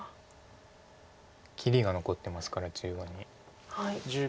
切りが残ってますから中央に。